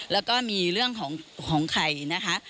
แล้วก็มีเรื่องของไข่นะคะ